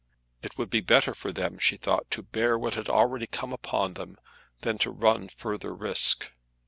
It would be better for them, she thought, to bear what had already come upon them, than to run further risk.